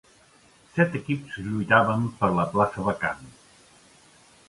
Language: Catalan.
Set equips lluitaven per la plaça vacant.